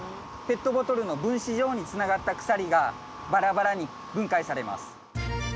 ペットボトルの分子状につながった鎖がバラバラに分解されます。